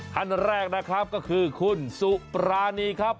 ท่านแรกนะครับก็คือคุณสุปรานีครับ